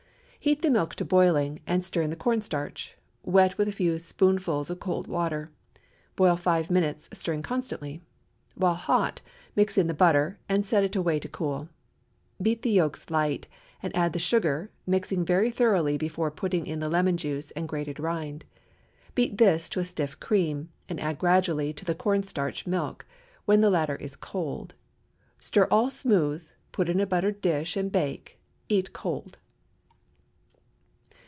Heat the milk to boiling, and stir in the corn starch, wet with a few spoonfuls of cold water. Boil five minutes, stirring constantly. While hot, mix in the butter, and set it away to cool. Beat the yolks light, and add the sugar, mixing very thoroughly before putting in the lemon juice and grated rind. Beat this to a stiff cream, and add gradually to the corn starch milk, when the latter is cold. Stir all smooth, put in a buttered dish, and bake. Eat cold.